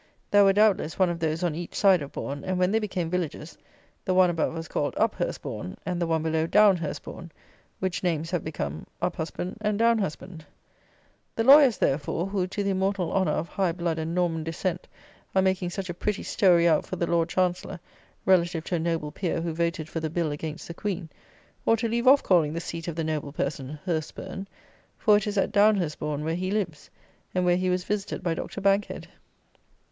There were, doubtless, one of those on each side of Bourn; and when they became villages, the one above was called Up hurstbourn, and the one below, Down hurstbourn; which names have become Uphusband and Downhusband. The lawyers, therefore, who, to the immortal honour of high blood and Norman descent, are making such a pretty story out for the Lord Chancellor, relative to a Noble Peer who voted for the Bill against the Queen, ought to leave off calling the seat of the noble person Hursperne; for it is at Downhurstbourn where he lives, and where he was visited by Dr. Bankhead!